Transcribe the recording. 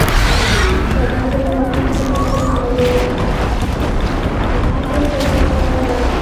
د تا کور ښایسته او پراخ ده